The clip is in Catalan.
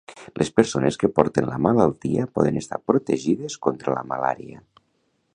Les persones que porten la malaltia poden estar protegides contra la malària.